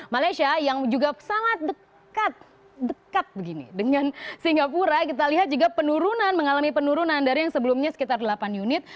malaysia yang juga sangat dekat dengan singapura kita lihat juga penurunan mengalami penurunan dari yang sebelumnya sekitar delapan unit